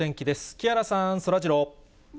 木原さん、そらジロー。